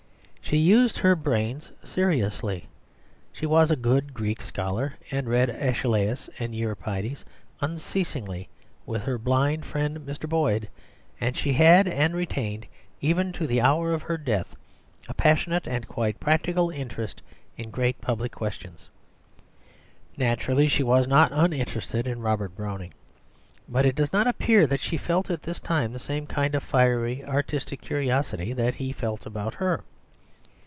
She used her brains seriously; she was a good Greek scholar, and read Æschylus and Euripides unceasingly with her blind friend, Mr. Boyd; and she had, and retained even to the hour of her death, a passionate and quite practical interest in great public questions. Naturally she was not uninterested in Robert Browning, but it does not appear that she felt at this time the same kind of fiery artistic curiosity that he felt about her.